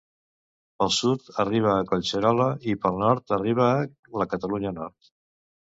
Pel sud arriba a Collserola i pel nord arriba a la Catalunya Nord.